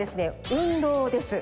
「運動」です。